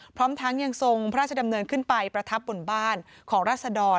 พร้อมทั้งยังทรงพระราชดำเนินขึ้นไปประทับบนบ้านของรัศดร